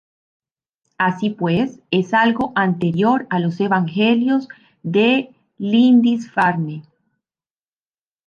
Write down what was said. Así pues, es algo anterior a los Evangelios de Lindisfarne.